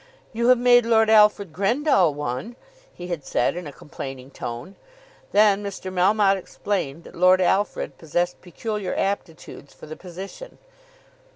"You have made Lord Alfred Grendall one!" he had said in a complaining tone. Then Mr. Melmotte explained that Lord Alfred possessed peculiar aptitudes for the position.